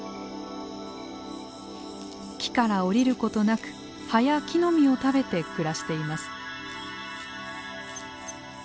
木から下りることなく葉や木の実を食べて暮らしています。